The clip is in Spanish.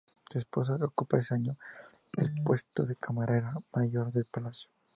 Su esposa ocupa ese año el puesto de Camarera mayor de palacio.